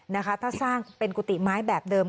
นะคะถ้าสร้างเป็นกุฏิไม้แบบเดิม